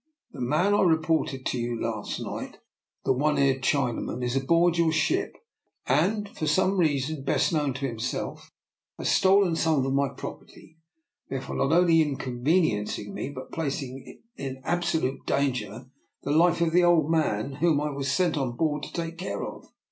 The man I reported to you last night, the one eared Chinaman, is aboard your ship, and for some reason best known to himself he has stolen some of my property, thereby not only inconveniencing me but placing in absolute danger the life of the old man whom I was sent on board to take care of.